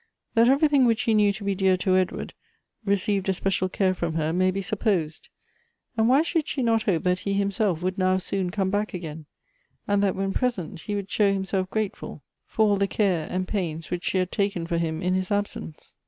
That everything which she knew to be dear to Edward received especial care from her may be supposed. And why shoulfl she not hope that he himself would now soon come back again ; and that when present, he would show himself grateful for all the care and pains which she had taken for him in his absence